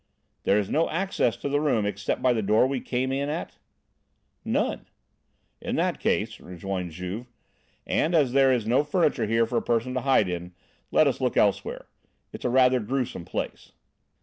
"There is no access to the room except by the door we came in at?" "None." "In that case," rejoined Juve, "and as there is no furniture here for a person to hide in, let us look elsewhere. It's a rather gruesome place."